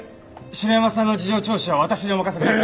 城山さんの事情聴取は私にお任せください。